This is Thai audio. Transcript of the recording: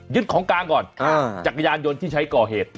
ของกลางก่อนจักรยานยนต์ที่ใช้ก่อเหตุ